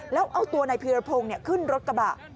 แล้วเอาตัวนายพีรพงศ์ขึ้นรถกระบะ